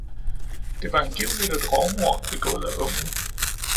Det var angiveligt et rovmord begået af unge.